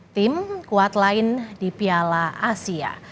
tim kuat lain di piala asia